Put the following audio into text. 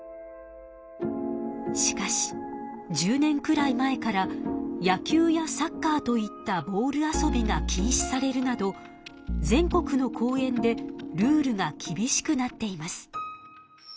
しかし１０年くらい前から野球やサッカーといったボール遊びがきんしされるなど全国の公園でルールがきびしくなっています。